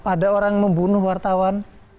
ada orang membunuh wartawan